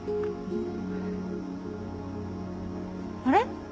あれ？